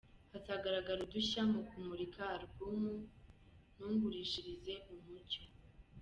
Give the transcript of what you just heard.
Hazagaragara udushya mu kumurika alubumu “Ntungurishirize umuco”